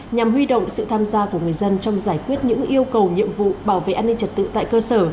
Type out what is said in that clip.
nhằm huy động sự tham gia của người dân trong giải quyết những yêu cầu nhiệm vụ bảo vệ an ninh trật tự tại cơ sở